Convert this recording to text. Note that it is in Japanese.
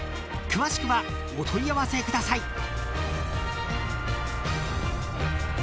［詳しくはお問い合わせください］